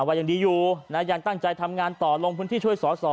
ว่ายังดีอยู่นะยังตั้งใจทำงานต่อลงพื้นที่ช่วยสอสอ